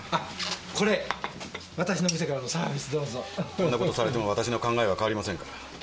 こんなことされてもわたしの考えは変わりませんから。